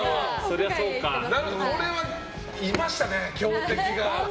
これはいましたね、強敵が。